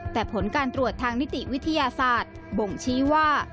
แต่ผลการตรวจทางนิติวิทยาศาสตร์บ่งชี้ว่า